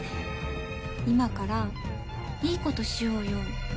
今からいい事しようよ。